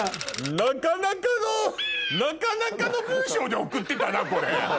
なかなかのなかなかの文章で送ってたなこれ。